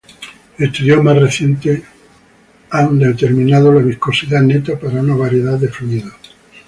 Estudios más recientes han determinado la viscosidad neta para una variedad de fluidos..